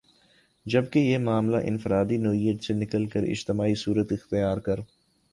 جبکہ یہ معاملہ انفرادی نوعیت سے نکل کر اجتماعی صورت اختیار کر